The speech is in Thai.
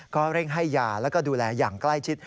ก็เร่งให้ยาแล้วก็ดูแลอย่างใกล้ชิด